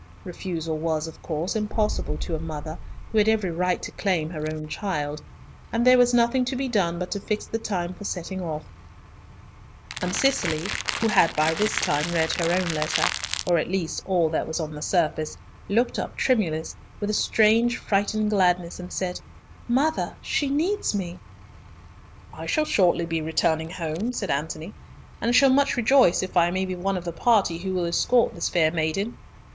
Refusal was, of course, impossible to a mother who had every right to claim her own child; and there was nothing to be done but to fix the time for setting off: and Cicely, who had by this time read her own letter, or at least all that was on the surface, looked up tremulous, with a strange frightened gladness, and said, "Mother, she needs me." "I shall shortly be returning home," said Antony, "and shall much rejoice if I may be one of the party who will escort this fair maiden."